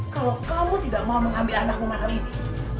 kalau kamu tidak mau mengambil anakmu malam ini